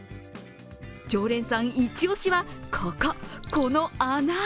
常連さん一押しは、ここ、この穴。